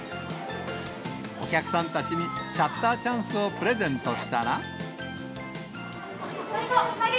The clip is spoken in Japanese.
お客さんたちにシャッターチャンスをプレゼントしたら。